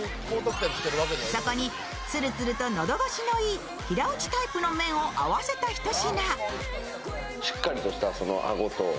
そこにつるつると喉越しのいい平打ちタイプの麺を合わせたひと品。